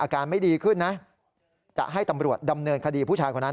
อาการไม่ดีขึ้นนะจะให้ตำรวจดำเนินคดีผู้ชายคนนั้น